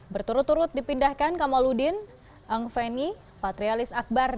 berturut turut dipindahkan kamaludin angfeni patrialis akbar